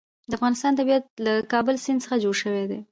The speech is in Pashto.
د افغانستان طبیعت له د کابل سیند څخه جوړ شوی دی.